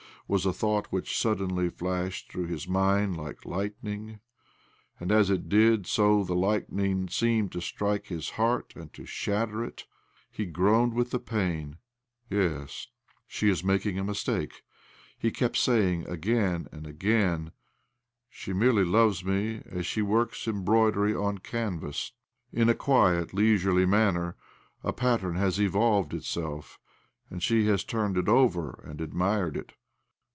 was a thought which suddenly flashed through his mind like lightnmg ; and as it did so the lightning seemed to 1 86 OBLOMOV strike his heart, and to shjttte/. it. He groaned with the pain. " Yes^ she is making a mistake," he kept saying again and again, " She rftfir ely l oves me as she works era .там, I и^ "^"". broiderY^QiL jGaiiva^. In a quieET^^dsttrel^i.,^^^ manner a pattern has evolved itself, and she has turned it over, and admired it.